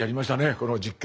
この実験。